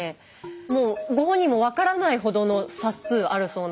もうご本人も分からないほどの冊数あるそうなんですが。